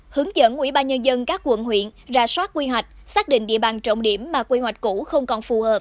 hướng dẫn ủy ban nhân dân các quận huyện ra soát quy hoạch xác định địa bàn trọng điểm mà quy hoạch cũ không còn phù hợp